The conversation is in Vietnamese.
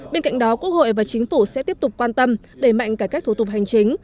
bên cạnh đó quốc hội và chính phủ sẽ tiếp tục quan tâm đẩy mạnh cải cách thủ tục hành chính